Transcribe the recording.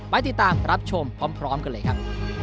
ไปติดตามรับชมพร้อมกันเลยครับ